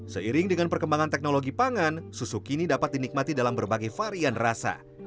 seiring dengan perkembangan teknologi pangan susu kini dapat dinikmati dalam berbagai varian rasa